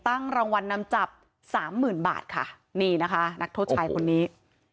ตั้งรางวัลนำจับสามหมื่นบาทค่ะนี่นะคะนักโทษชายคนนี้